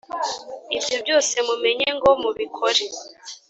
ibyo byose mumenye ngo, mubikooore,